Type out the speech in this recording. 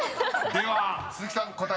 ［では鈴木さん答えは？］